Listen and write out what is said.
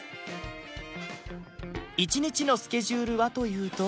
一日のスケジュールはというと